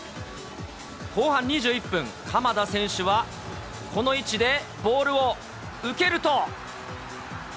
後半２１分、鎌田選手はこの位置でボールを受けると。